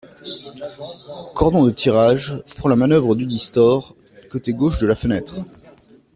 Cordon de tirage, pour la manœuvre dudit store, côté gauche de la fenêtre.